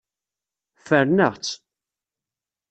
Ffren-aɣ-tt.